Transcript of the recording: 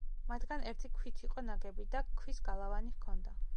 მათგან ერთი ქვით იყო ნაგები და ქვის გალავანი ჰქონდა.